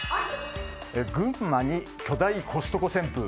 群馬に巨大コストコ旋風。